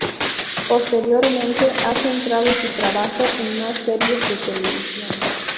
Posteriormente ha centrado su trabajo en más series de televisión.